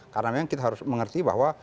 karena memang kita harus mengerti bahwa